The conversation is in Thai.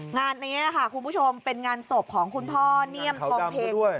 งานนี้คุณผู้ชมเป็นงานศพของคุณพ่อเนียมโทรเภก